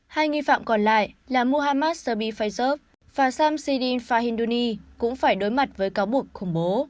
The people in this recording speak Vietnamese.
hai nghi phạm còn lại là muhammad sabi faizov và sam siddin fahinduni cũng phải đối mặt với cáo buộc khủng bố